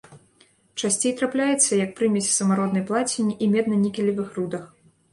Часцей трапляецца як прымесь самароднай плаціне і медна-нікелевых рудах.